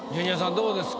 どうですか？